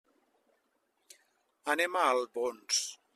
Anem a Albons.